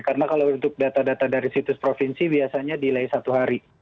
karena kalau untuk data data dari situs provinsi biasanya delay satu hari